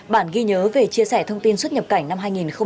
bản ghi nhớ về chia sẻ thông tin xuất nhập cảnh năm hai nghìn một mươi chín